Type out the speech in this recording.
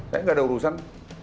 saya gak ada urusan